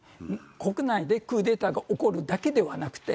国内でクーデターが起こるだけではなくて、